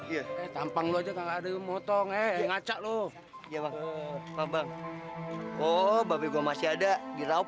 aja tampang lo juga ada motong eh ngacak lu iya bang bang bang oh babi gua masih ada di raup